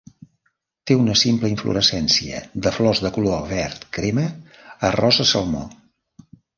Té una simple inflorescència de flors de color verd crema a rosa salmó.